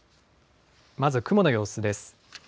まず雲の様子です。